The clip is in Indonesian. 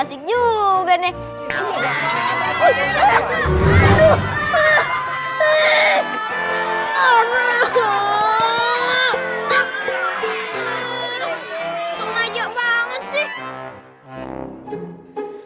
semaja banget sih